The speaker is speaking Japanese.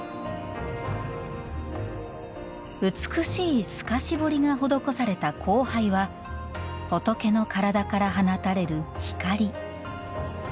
美しい透かし彫りが施された光背は仏の体から放たれる光。